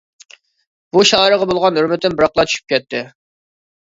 بۇ شائىرغا بولغان ھۆرمىتىم بىراقلا چۈشۈپ كەتتى.